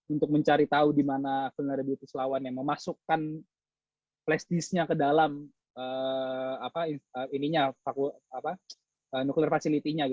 untuk mencari tahu di mana kinerja diutus lawannya memasukkan flash disk nya ke dalam nuklir fasilitinya